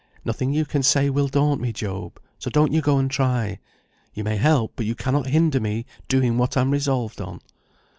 Nothing you can say will daunt me, Job, so don't you go and try. You may help, but you cannot hinder me doing what I'm resolved on."